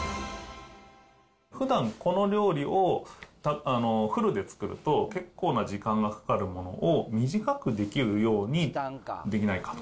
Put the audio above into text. ふだん、この料理をフルで作ると、結構な時間がかかるものを短くできるようにできないかと。